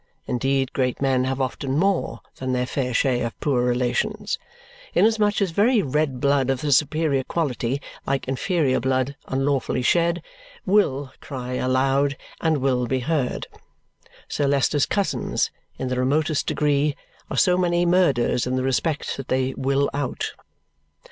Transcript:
Indeed great men have often more than their fair share of poor relations, inasmuch as very red blood of the superior quality, like inferior blood unlawfully shed, WILL cry aloud and WILL be heard. Sir Leicester's cousins, in the remotest degree, are so many murders in the respect that they "will out."